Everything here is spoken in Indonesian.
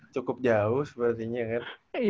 cukup jauh sepertinya kan